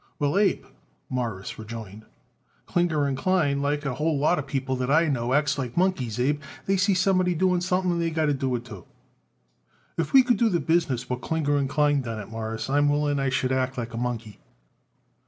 "Well, Abe," Morris rejoined, "Klinger & Klein, like a whole lot of people what I know, acts like monkeys, Abe. They see somebody doing something and they got to do it too." "If we could do the business what Klinger & Klein done it, Mawruss, I am willing I should act like a monkey."